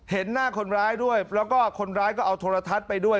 เห็นหน้าคนร้ายด้วยแล้วก็คนร้ายก็เอาโทรทัศน์ไปด้วย